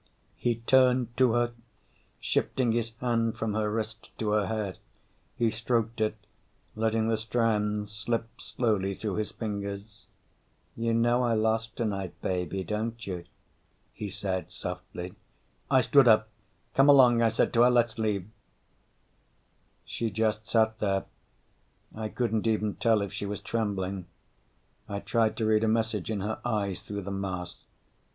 He turned to her, shifting his hand from her wrist to her hair. He stroked it, letting the strands slip slowly through his fingers. "You know I lost tonight, baby, don't you?" he said softly. I stood up. "Come along," I said to her. "Let's leave." She just sat there. I couldn't even tell if she was trembling. I tried to read a message in her eyes through the mask.